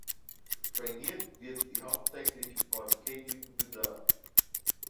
Trainiert wird sie hauptsächlich von Keiji Fukuda.